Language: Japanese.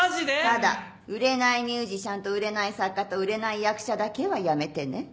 ただ売れないミュージシャンと売れない作家と売れない役者だけはやめてね。